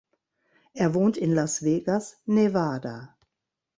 Er wohnt in Las Vegas, Nevada.